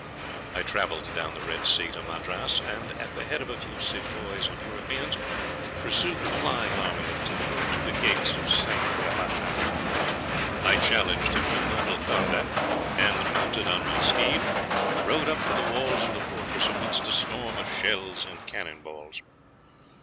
I travelled down the Red Sea to Madras, and at the head of a few Sepoys and Europeans pursued the flying army of Tippoo to the gates of Seringapatam. I challenged him to mortal combat, and, mounted on my steed, rode up to the walls of the fortress amidst a storm of shells and cannon balls.